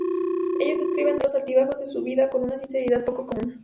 Ellos escriben de los altibajos de su vida con una sinceridad poco común.